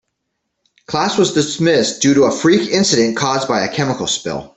Class was dismissed due to a freak incident caused by a chemical spill.